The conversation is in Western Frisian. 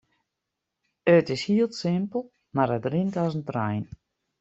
It is hiel simpel mar it rint as in trein.